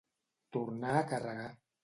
Tornar a carregar.